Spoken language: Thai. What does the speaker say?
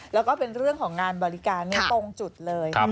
แล้วก็เป็นเรื่องของงานบริการตรงจุดเลย